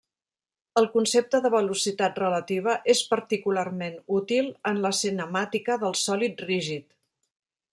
El concepte de velocitat relativa és particularment útil en la cinemàtica del sòlid rígid.